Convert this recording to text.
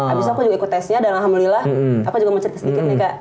abis aku juga ikut tesnya dan alhamdulillah aku juga mencerita sedikit nih kak